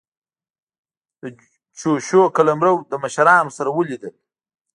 د چوشو قلمرو له مشرانو سره ولیدل.